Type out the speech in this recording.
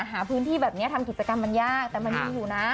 หาพื้นที่แบบนี้ทำกิจกรรมมันยากแต่มันมีอยู่นะ